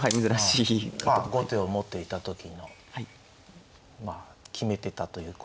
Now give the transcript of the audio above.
まあ後手を持っていた時のまあ決めてたということ。